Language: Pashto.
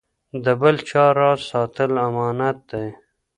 د بل چا راز ساتل امانت دی.